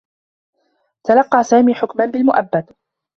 تلقّى سامي حكما بالمؤبّد.